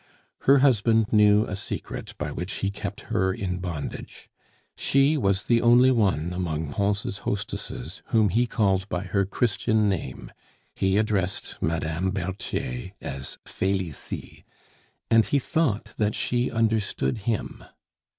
Her husband knew a secret by which he kept her in bondage. She was the only one among Pons' hostesses whom he called by her Christian name; he addressed Mme. Berthier as "Felicie," and he thought that she understood him.